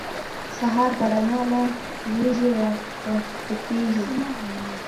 سهار د رڼا له غیږې راټوکېږي.